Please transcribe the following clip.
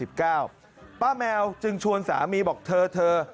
ป้าแมวจึงชวนสามีบอกเธอ